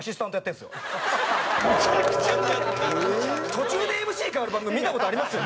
途中でＭＣ替わる番組見た事あります？